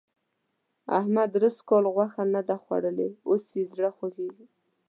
احمد درست کال غوښه نه ده خوړلې؛ اوس يې زړه خوږېږي.